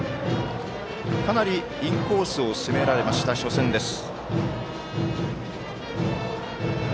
かなりインコースを攻められました初戦です。